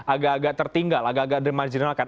agak agak tertinggal agak agak dimajinalkan